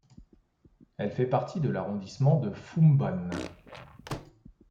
Elle fait partie de l'arrondissement de Foumban.